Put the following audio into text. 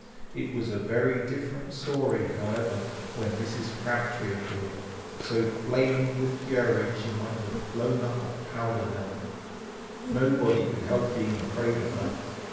It was a very different story, however, when Mrs. Crabtree appeared, so flaming with fury, she might have blown up a powder mill. Nobody could help being afraid of her.